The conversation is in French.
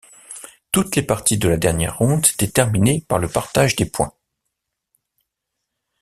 Toutes les parties de la dernière ronde s'étaient terminées par le partage des points.